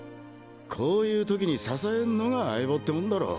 こういう時に支えんのが相棒ってもんだろ。